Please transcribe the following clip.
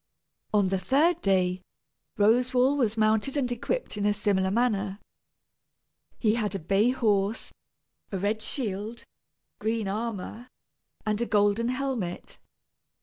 On the third day, Roswal was mounted and equipped in a similar manner. He had a bay horse, a red shield, green armor, and a golden helmet.